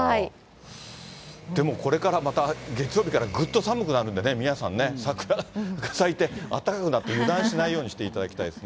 でもこれからまた月曜日からぐっと寒くなるんでね、皆さんね、桜が咲いて、暖かくなって油断しないようにしていただきたいですね。